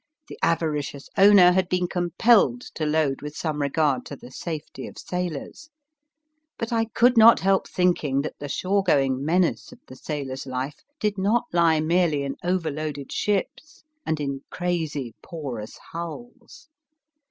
The avaricious owner had been compelled to load with some regard to the safety of sailors. But I could not help thinking that the shore going ^V^ 7 ;;.:__..,,, /,>* THE WRECK OF THE GROSVEXOR menace of the sailor s life did not lie merely in overloaded ships, and in crazy, porous hulls.